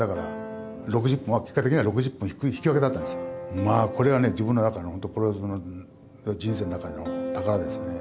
まあこれはね自分の中のほんとプロレスの人生の中の宝ですね。